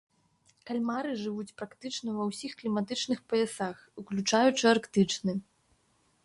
Кальмары жывуць практычна ва ўсіх кліматычных паясах, уключаючы арктычны.